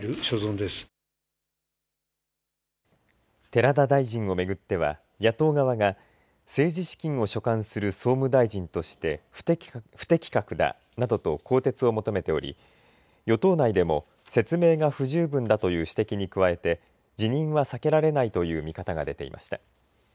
寺田大臣を巡っては野党側が政治資金を所管する総務大臣として不適格だなどと更迭を求めており与党内でも説明が不十分だという指摘に加えて辞任は避けられないという見方が出ていました。